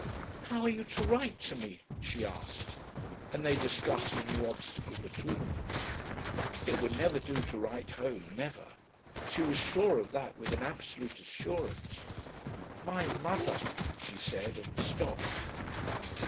"How are you to write to me?" she asked, and they discussed a new obstacle between them. It would never do to write home never. She was sure of that with an absolute assurance. "My mother " she said and stopped.